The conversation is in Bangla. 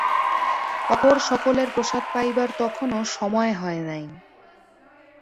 অপর সকলের প্রসাদ পাইবার তখনও সময় হয় নাই।